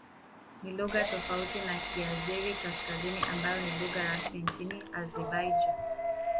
Ni lugha tofauti na Kiazeri-Kaskazini ambayo ni lugha rasmi nchini Azerbaijan.